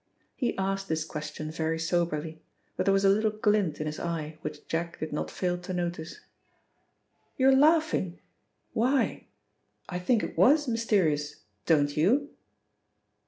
He asked this question very soberly, but there was a little glint in his eye which Jack did not fail to notice. "You're laughing. Why? I think it was mysterious, don't you?"